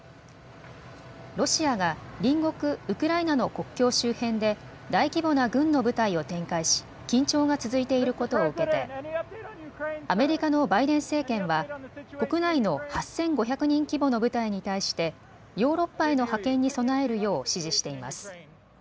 ロシアが隣国ウクライナの国境周辺で大規模な軍の部隊を展開し、緊張が続いていることを受けてアメリカのバイデン政権は国内の８５００人規模の部隊に対してヨーロッパへの派遣に備えるよう指示しています。